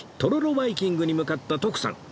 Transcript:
バイキングに向かった徳さん